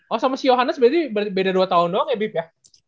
oh sama si yohannes berarti beda dua tahun doang ya bib ya